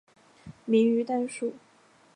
明于丹术。